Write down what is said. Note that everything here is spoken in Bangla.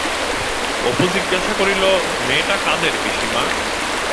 অপু জিজ্ঞাসা করিল-মেয়েটা কাদের পিসিমা?